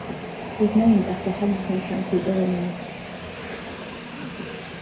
Was named after Henderson county Illinois.